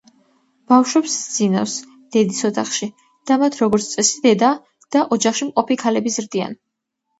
ბავშვებს სძინავს დედის ოთახში და მათ როგორც წესი დედა და ოჯახში მყოფი ქალები ზრდიან.